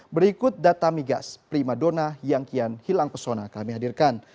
berikut data migas prima dona yang kian hilang pesona kami hadirkan